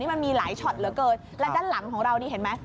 มันมีหลายช็อตเหลือเกินและด้านหลังของเรานี่เห็นไหม